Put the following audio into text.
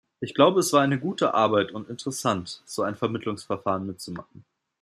Ich glaube, es war eine gute Arbeit, und interessant, so ein Vermittlungsverfahren mitzumachen.